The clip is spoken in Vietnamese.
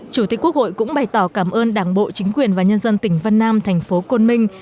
chủ tịch quốc hội cũng bày tỏ cảm ơn đảng bộ chính quyền và nhân dân tỉnh vân nam thành phố côn minh